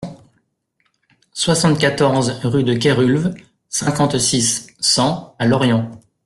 soixante-quatorze rue de Kerulve, cinquante-six, cent à Lorient